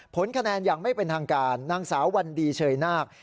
ผลคะแนนอย่างไม่เป็นทางการนางสาววันดีเชยนาค